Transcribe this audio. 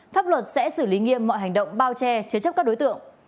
pháp luật sẽ xử lý nghiêm mọi hành động bao che chế chấp các đối tượng